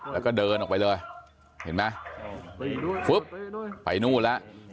แล้วก็เดินออกไปเลยเห็นไหมฟึ๊บไปนู่นแล้ว